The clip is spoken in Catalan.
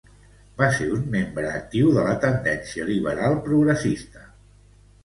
Va ser un membre actiu de la tendència liberal progressista.